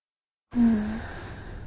うん。